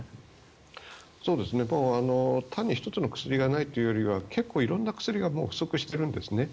単に１つの薬がないというよりは結構色んな薬がもう不足しているんですね。